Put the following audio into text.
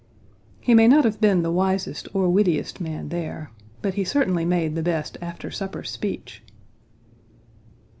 He may not have been the wisest or wittiest man there, but he certainly made the best aftersupper speech.